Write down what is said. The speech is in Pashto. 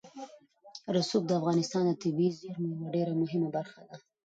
رسوب د افغانستان د طبیعي زیرمو یوه ډېره مهمه برخه ده.